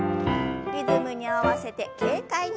リズムに合わせて軽快に。